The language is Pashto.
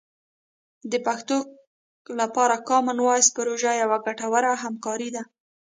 د پښتو لپاره کامن وایس پروژه یوه ګټوره همکاري ده.